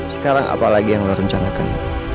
sekarang apa lagi yang lo rencanakan